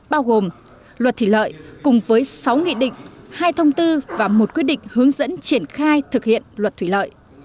bao gồm luật thủy lợi cùng với sáu nghị định hai thông tư và một quyết định hướng dẫn triển khai thực hiện luật thủy lợi